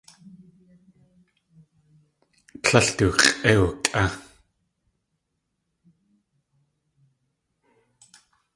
Tlél du x̲ʼé ukʼé.